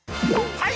はい！